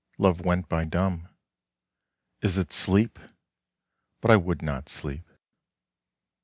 love went by dumb. Is it sleep? but I would not sleep.